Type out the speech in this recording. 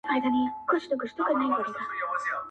همدا اوس وايم درته.